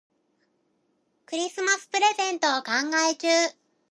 クリスマスプレゼントを考え中。